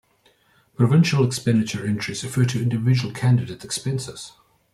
Provincial expenditure entries refer to individual candidate expenses.